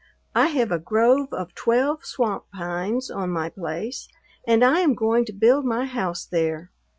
I have a grove of twelve swamp pines on my place, and I am going to build my house there.